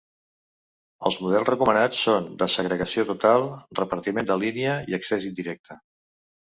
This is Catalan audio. Els models recomanats són desagregació total, repartiment de línia i accés indirecte.